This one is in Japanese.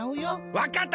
わかった！